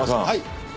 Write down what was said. はい。